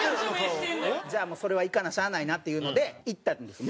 じゃあもうそれは行かなしゃあないなっていうので行ったんです。